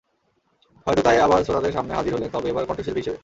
হয়তো তাই আবার শ্রোতাদের সামনে হাজির হলেন, তবে এবার কণ্ঠশিল্পী হিসেবে।